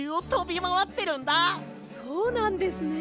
そうなんですね。